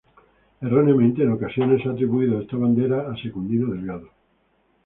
Erróneamente, en ocasiones se ha atribuido esta bandera a Secundino Delgado.